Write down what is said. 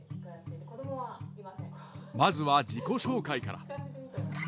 まずは自己紹介から。